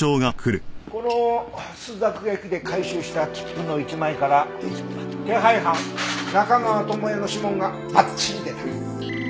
この朱雀駅で回収した切符の一枚から手配犯中川智哉の指紋がばっちり出た。